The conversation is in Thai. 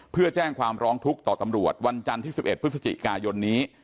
เพื่อแจ้งความร้องทุกข์ต่อตำรวจวันจันทร์ที่๑๑พฤศจิกายนนี้